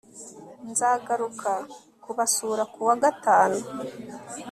nzagaruka kubasura kuwa gatanu